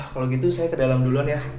kalau gitu saya ke dalam duluan ya